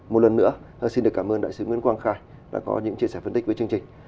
một lần nữa xin được cảm ơn đại sứ nguyễn quang khai đã có những chia sẻ phân tích với chương trình